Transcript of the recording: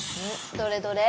どれどれ。